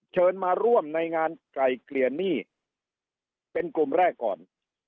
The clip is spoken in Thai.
เชิญมาร่วมในงานไกลเกลี่ยหนี้เป็นกลุ่มแรกก่อน